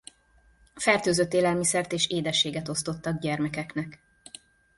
Fertőzött élelmiszert és édességet osztottak gyermekeknek.